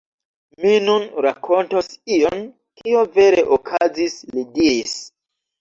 Mi nun rakontos ion, kio vere okazis, li diris.